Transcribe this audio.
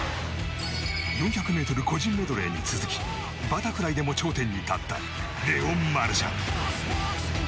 ４００ｍ個人メドレーに続きバタフライでも頂点に立ったレオン・マルシャン。